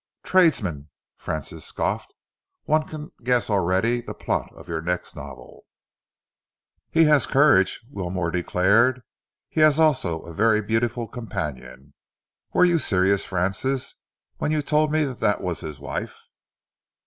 "Tradesman!" Francis scoffed. "One can guess already at the plot of your next novel." "He has courage," Wilmore declared. "He has also a very beautiful companion. Were you serious, Francis, when you told me that that was his wife?"